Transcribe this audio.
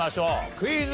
クイズ。